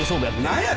何や？